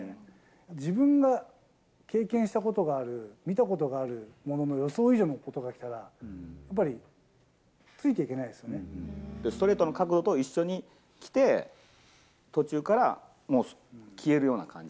自分が経験したことがある、見たことがあるものの予想以上のことがきたら、ストレートの角度と一緒に来て、途中からもう消えるような感じ。